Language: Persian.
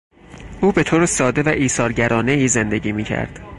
او به طور ساده و ایثارگرانهای زندگی میکرد.